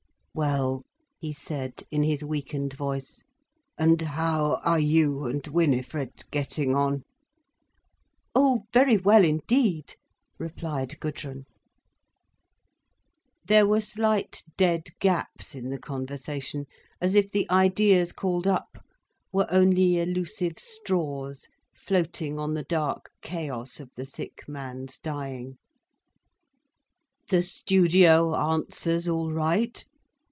"Well," he said in his weakened voice, "and how are you and Winifred getting on?" "Oh, very well indeed," replied Gudrun. There were slight dead gaps in the conversation, as if the ideas called up were only elusive straws floating on the dark chaos of the sick man's dying. "The studio answers all right?"